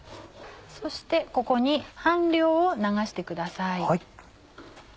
そしてここに半量を流してください。